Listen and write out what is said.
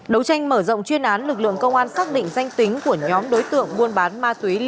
đấu tranh mở rộng chuyên án lực lượng công an xác định danh tính của nhóm đối tượng buôn bán ma túy